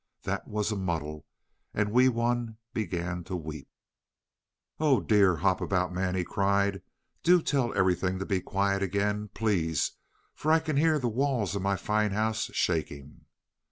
That was a muddle, and Wee Wun began to weep. "Oh, dear Hop about Man," he cried, "do tell everything to be quiet again, please, for I can hear the walls of my fine house shaking!"